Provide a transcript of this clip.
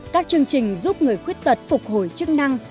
các chương trình giúp người khuyết tật phục hồi chức năng